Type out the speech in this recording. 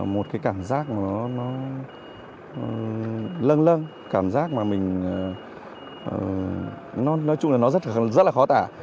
một cái cảm giác nó lưng lưng cảm giác mà mình nói chung là nó rất là khó tả